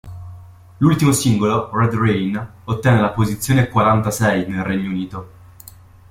L'ultimo singolo "Red Rain" ottenne la posizione quarantasei nel Regno Unito.